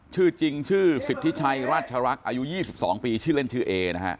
ชื่อจริงชื่อสิทธิชัยราชรักษ์อายุ๒๒ปีชื่อเล่นชื่อเอนะฮะ